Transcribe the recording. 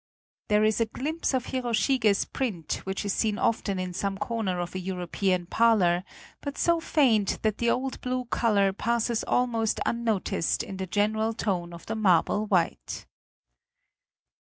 There is a glimpse of Hiroshige's print which is seen often in some corner of a Euro pean parlor, but so faint that the old blue color passes almost unnoticed in the general tone of the marble white.